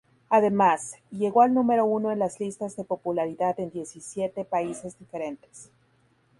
Además, llegó al número uno en las listas de popularidad en diecisiete países diferentes.